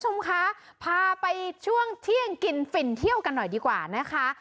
คุณผู้ชมคะพาไปช่วงเที่ยงกินฟินเที่ยวกันหน่อยดีกว่านะคะ